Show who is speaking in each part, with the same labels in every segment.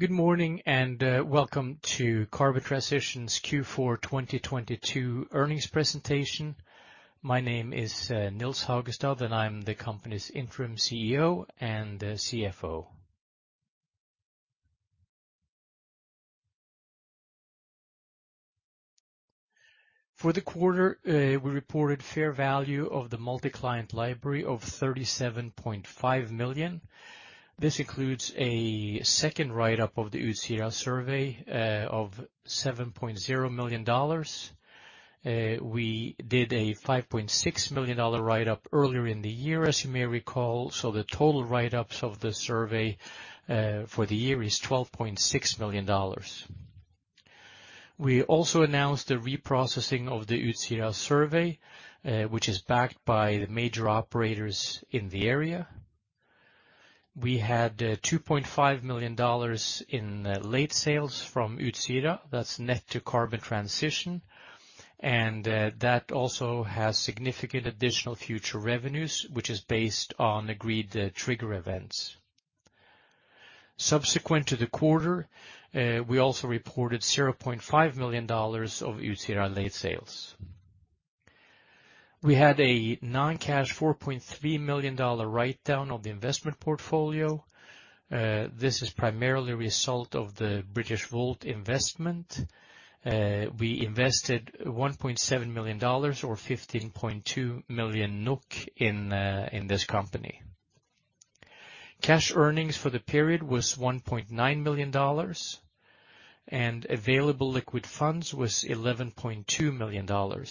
Speaker 1: Good morning and welcome to Carbon Transition's Q4-2022 earnings presentation. My name is Nils Hagestad, and I'm the company's Interim CEO and CFO. For the quarter, we reported fair value of the multi-client library of $37.5 million. This includes a second write-up of the Utsira survey of $7.0 million. We did a $5.6 million write-up earlier in the year, as you may recall, so the total write-ups of the survey for the year is $12.6 million. We also announced the reprocessing of the Utsira survey, which is backed by the major operators in the area. We had $2.5 million in late sales from Utsira. That's net to Carbon Transition, and that also has significant additional future revenues, which is based on agreed trigger events. Subsequent to the quarter, we also reported $0.5 million of Utsira late sales. We had a non-cash $4.3 million write-down on the investment portfolio. This is primarily a result of the Britishvolt investment. We invested $1.7 million or 15.2 million NOK in this company. Cash earnings for the period was $1.9 million, and available liquid funds was $11.2 million.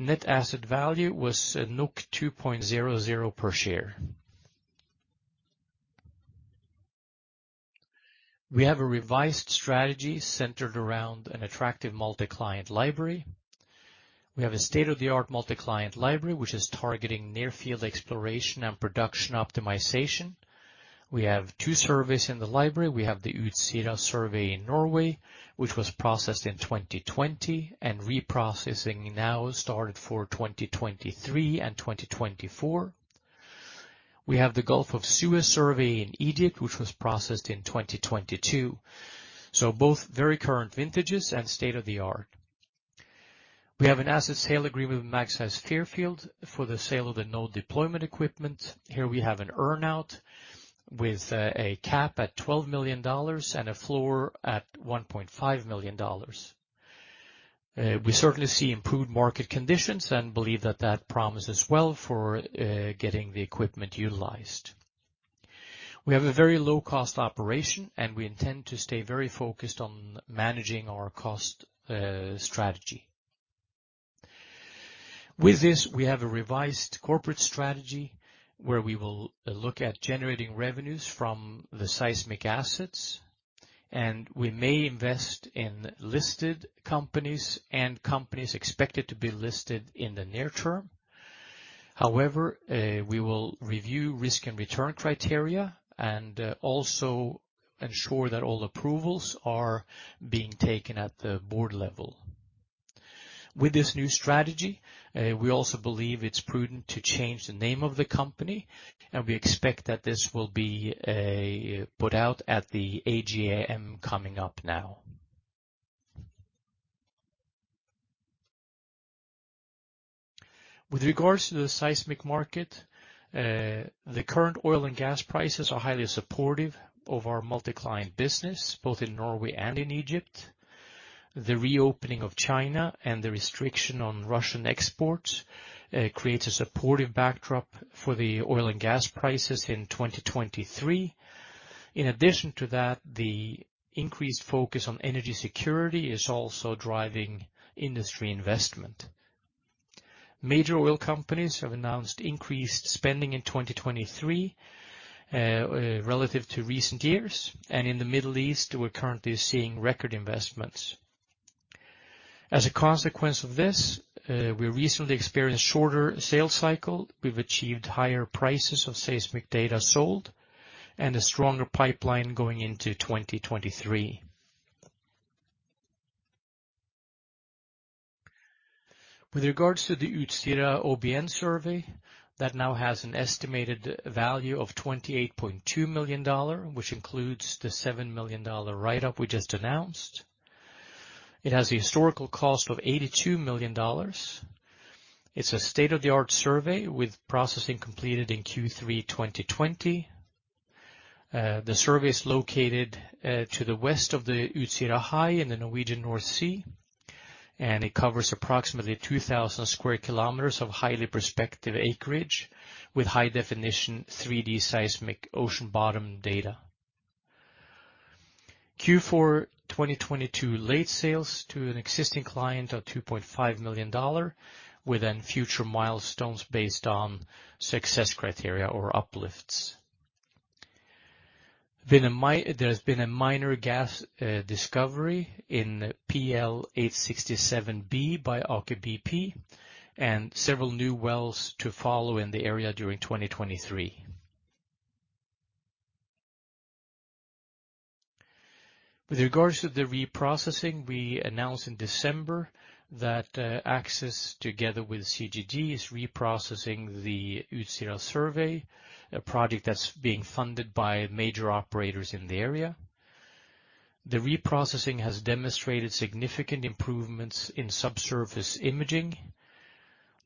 Speaker 1: Net asset value was 2.00 per share. We have a revised strategy centered around an attractive multi-client library. We have a state-of-the-art multi-client library which is targeting near-field exploration and production optimization. We have two surveys in the library. We have the Utsira survey in Norway, which was processed in 2020, and reprocessing now started for 2023 and 2024. We have the Gulf of Suez survey in Egypt, which was processed in 2022. Both very current vintages and state-of-the-art. We have an asset sale agreement with Magseis Fairfield for the sale of the node deployment equipment. Here we have an earn-out with a cap at $12 million and a floor at $1.5 million. We certainly see improved market conditions and believe that that promises well for getting the equipment utilized. We have a very low cost operation, and we intend to stay very focused on managing our cost strategy. With this, we have a revised corporate strategy where we will look at generating revenues from the seismic assets, and we may invest in listed companies and companies expected to be listed in the near term. We will review risk and return criteria and also ensure that all approvals are being taken at the board level. With this new strategy, we also believe it's prudent to change the name of the company, and we expect that this will be put out at the AGM coming up now. With regards to the seismic market, the current oil and gas prices are highly supportive of our multi-client business, both in Norway and in Egypt. The reopening of China and the restriction on Russian exports creates a supportive backdrop for the oil and gas prices in 2023. In addition to that, the increased focus on energy security is also driving industry investment. Major oil companies have announced increased spending in 2023 relative to recent years. In the Middle East, we're currently seeing record investments. As a consequence of this, we recently experienced shorter sales cycle. We've achieved higher prices of seismic data sold and a stronger pipeline going into 2023. With regards to the Utsira OBN survey, that now has an estimated value of $28.2 million, which includes the $7 million write-up we just announced. It has a historical cost of $82 million. It's a state-of-the-art survey with processing completed in Q3-2020. The survey is located to the west of the Utsira High in the Norwegian North Sea, and it covers approximately 2,000 sq km of highly prospective acreage with high-definition 3D seismic ocean bottom data. Q4-2022 late sales to an existing client of $2.5 million with then future milestones based on success criteria or uplifts. There's been a minor gas discovery in PL 867 B by Aker BP and several new wells to follow in the area during 2023. With regards to the reprocessing, we announced in December that Axxis together with CGG is reprocessing the Utsira survey, a project that's being funded by major operators in the area. The reprocessing has demonstrated significant improvements in subsurface imaging.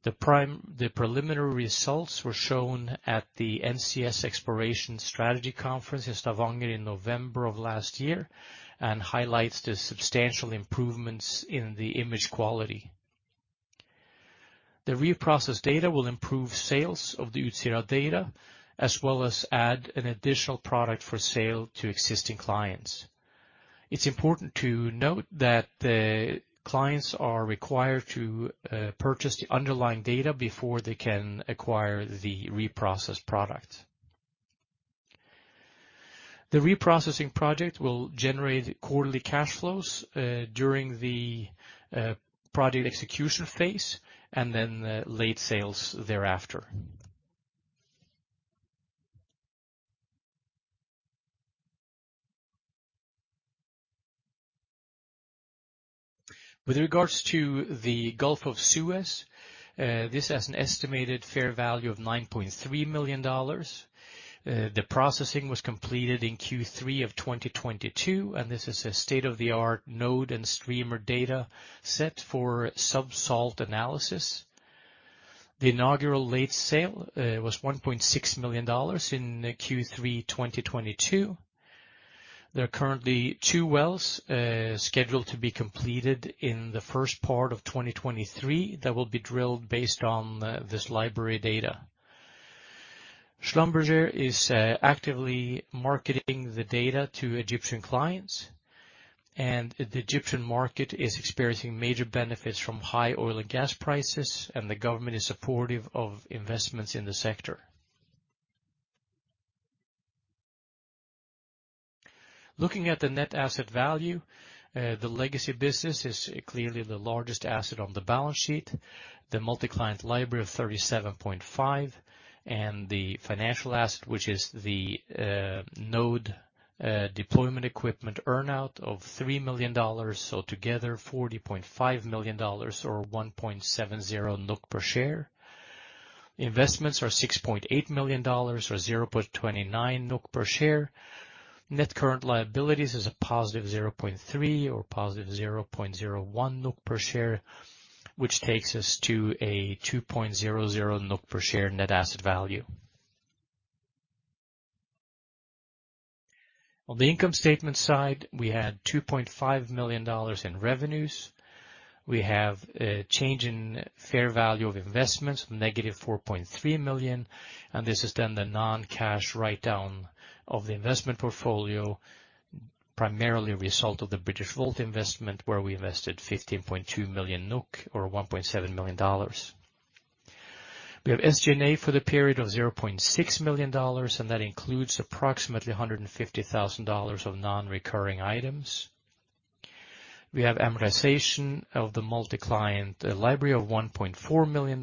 Speaker 1: The preliminary results were shown at the NCS Exploration Strategy Conference in Stavanger in November of last year, and highlights the substantial improvements in the image quality. The reprocess data will improve sales of the Utsira data, as well as add an additional product for sale to existing clients. It's important to note that the clients are required to purchase the underlying data before they can acquire the reprocess product. The reprocessing project will generate quarterly cash flows during the project execution phase and then the late sales thereafter. With regards to the Gulf of Suez, this has an estimated fair value of $9.3 million. The processing was completed in Q3 of 2022, and this is a state-of-the-art node and streamer data set for subsalt analysis. The inaugural late sale was $1.6 million in Q3 2022. There are currently two wells scheduled to be completed in the first part of 2023 that will be drilled based on this library data. Schlumberger is actively marketing the data to Egyptian clients, and the Egyptian market is experiencing major benefits from high oil and gas prices, and the government is supportive of investments in the sector. Looking at the net asset value, the legacy business is clearly the largest asset on the balance sheet. The multi-client library of $37.5 million and the financial asset, which is the node deployment equipment earn out of $3 million, so together $40.5 million or 1.70 NOK per share. Investments are $6.8 million or 0.29 NOK per share. Net current liabilities is a positive $0.3 million or positive 0.01 NOK per share, which takes us to a 2.00 NOK per share net asset value. On the income statement side, we had $2.5 million in revenues. We have a change in fair value of investments, -$4.3 million. This is the non-cash write down of the investment portfolio, primarily a result of the Britishvolt investment, where we invested 15.2 million NOK or $1.7 million. We have SG&A for the period of $0.6 million, that includes approximately $150,000 of non-recurring items. We have amortization of the multi-client library of $1.4 million,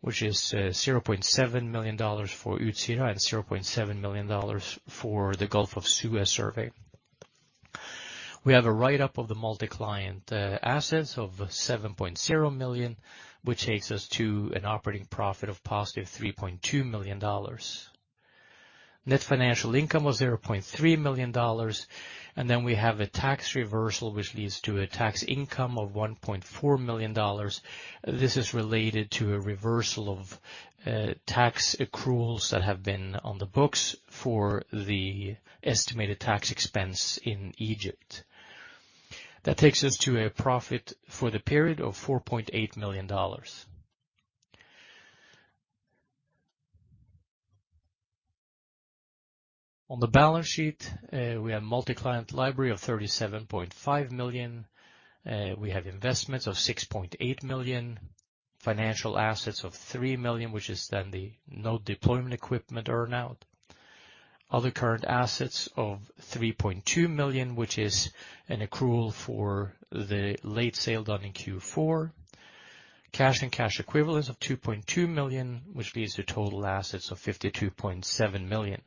Speaker 1: which is $0.7 million for Utsira and $0.7 million for the Gulf of Suez survey. We have a write-up of the multi-client assets of $7.0 million, which takes us to an operating profit of positive $3.2 million. Net financial income was $0.3 million. We have a tax reversal, which leads to a tax income of $1.4 million. This is related to a reversal of tax accruals that have been on the books for the estimated tax expense in Egypt. That takes us to a profit for the period of $4.8 million. On the balance sheet, we have multi-client library of $37.5 million. We have investments of $6.8 million, financial assets of $3 million, which is then the node deployment equipment earn out. Other current assets of $3.2 million, which is an accrual for the late sale done in Q4. Cash and cash equivalents of $2.2 million, which leads to total assets of $52.7 million.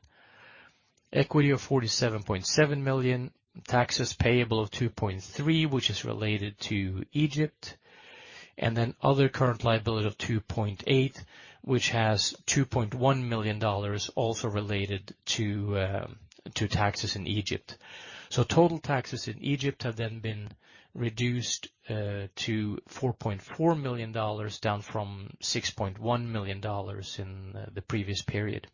Speaker 1: Equity of $47.7 million, taxes payable of $2.3 million, which is related to Egypt. Other current liability of $2.8 million, which has $2.1 million also related to taxes in Egypt. Total taxes in Egypt have then been reduced to $4.4 million, down from $6.1 million in the previous period.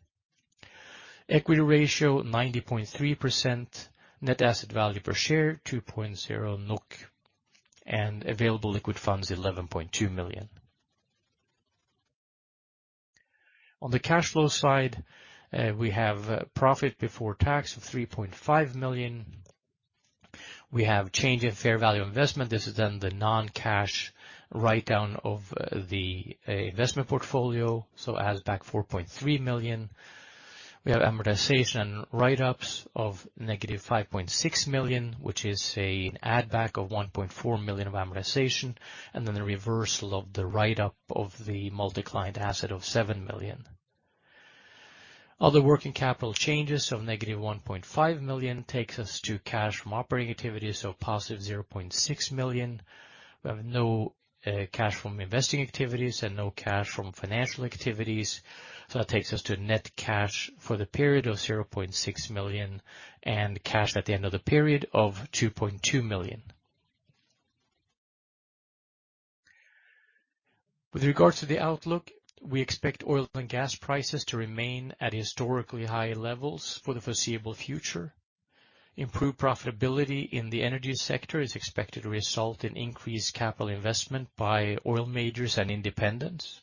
Speaker 1: Equity ratio, 90.3%. Net asset value per share, 2.0 NOK. Available liquid funds, $11.2 million. On the cash flow side, we have profit before tax of $3.5 million. We have change in fair value investment. This is then the non-cash write down of the investment portfolio, so adds back $4.3 million. We have amortization write-ups of -5.6 million, which is an add back of 1.4 million of amortization, and then the reversal of the write-up of the multi-client asset of 7 million. Other working capital changes of -1.5 million takes us to cash from operating activities, so positive 0.6 million. We have no cash from investing activities and no cash from financial activities. That takes us to net cash for the period of 0.6 million and cash at the end of the period of 2.2 million. With regards to the outlook, we expect oil and gas prices to remain at historically high levels for the foreseeable future. Improved profitability in the energy sector is expected to result in increased capital investment by oil majors and independents.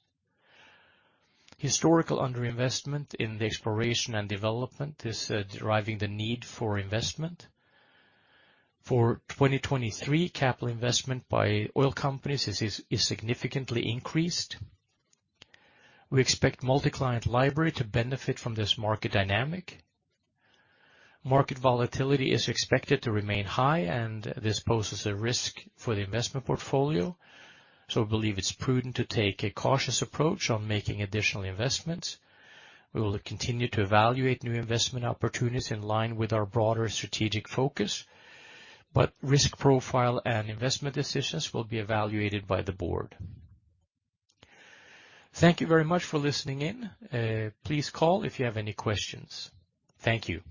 Speaker 1: Historical underinvestment in the exploration and development is deriving the need for investment. For 2023, capital investment by oil companies is significantly increased. We expect multi-client library to benefit from this market dynamic. Market volatility is expected to remain high and this poses a risk for the investment portfolio. We believe it's prudent to take a cautious approach on making additional investments. We will continue to evaluate new investment opportunities in line with our broader strategic focus, but risk profile and investment decisions will be evaluated by the board. Thank you very much for listening in. Please call if you have any questions. Thank you.